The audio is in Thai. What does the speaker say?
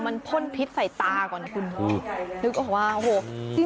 มันพ่นพิษใส่ตาก่อนคุณ